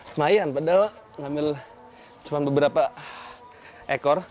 lumayan padahal ngambil cuma beberapa ekor